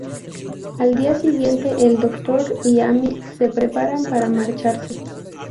Al día siguiente, el Doctor y Amy se preparan para marcharse.